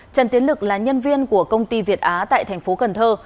trần tiến lực là nhân viên của công ty việt á tại tp cần thơ